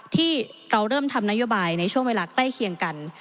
ที่เราเริ่มทำนโยบายในช่วงเวลาใกล้เคียงกัน